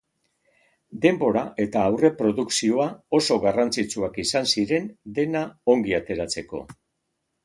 Denbora eta aurreprodukzioa oso garrantzitsuak izan ziren dena ongi ateratzeko.